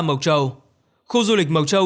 mộc châu khu du lịch mộc châu